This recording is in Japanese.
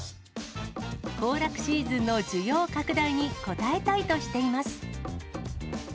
行楽シーズンの需要拡大に応えたいとしています。